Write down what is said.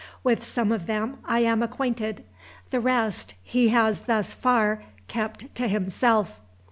With some of them I am acquainted; the rest he has thus far kept to himself.